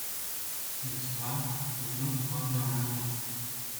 "Zwak znów spojrzał na mnie."